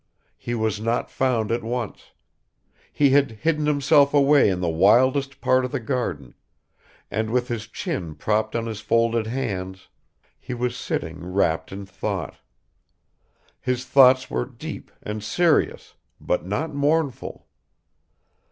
He was not found at once; he had hidden himself away in the wildest part of the garden, and with his chin propped on his folded hands, he was sitting wrapped in thought. His thoughts were deep and serious, but not mournful.